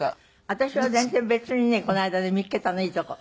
私は全然別にねこの間ね見つけたのいい所。